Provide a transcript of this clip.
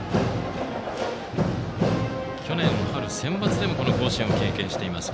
去年の春のセンバツでも甲子園を経験しています。